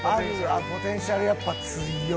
ポテンシャルやっぱ強いよ。